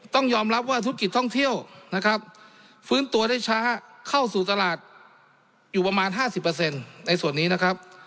ต้องยอมรับว่าธุรกิจท่องเที่ยวนะครับฟื้นตัวได้ช้าเข้าสู่ตลาดอยู่ประมาณ๕๐ในส่วนนี้นะครับ